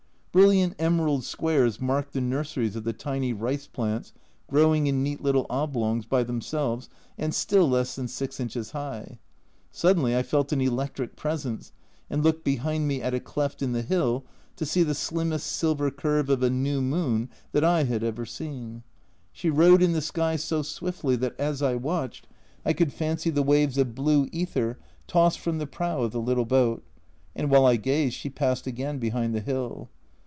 Brilliant emerald squares marked the nurseries of the tiny rice plants, growing in neat little oblongs by themselves, and still less than 6 inches high. Suddenly I felt an electric presence, and looked behind me at a cleft in the hill to see the slimmest silver curve of a new moon that I had ever seen. She rode in the sky so swiftly that, as I watched, I could fancy the waves of blue ether tossed from the prow of the little boat, and while I gazed she passed again behind the hill.